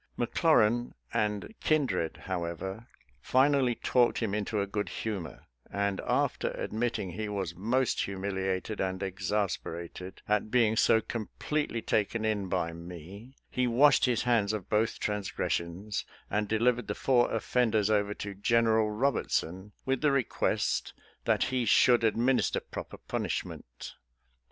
McLaurin and Kindred, how ever, finally talked him into a good humor, and, after admitting he was most humiliated and ex asperated at being so completely taken in by me, he washed his hands of both transgressions and delivered the four offenders over to General Eobertson with the request that he should admin ister proper punishment.